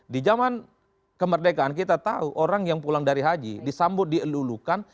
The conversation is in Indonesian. di zaman kemerdekaan kita tahu orang yang pulang dari haji disambut dielulukan